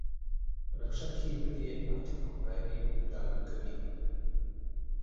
په نقشه کې ددې حقیق پایلې په ډاګه کوي.